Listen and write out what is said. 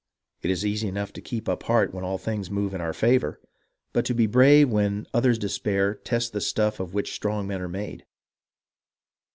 It is easy enough to keep up heart when all things move in our favour, but to be brave when others despair tests the stuff of which strong men are made.